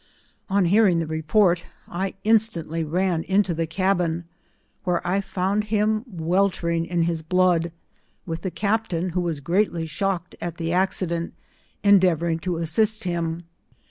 Oa hearing the report, 1 instantly ran into the cabin, where 1 found him weltering in his blood, with the captain, who was greatly shocked at the accident, endeavouring to assist him.